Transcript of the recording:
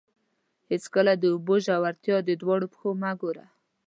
هېڅکله د اوبو ژورتیا په دواړو پښو مه ګوره.